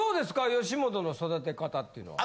吉本の育て方っていうのは。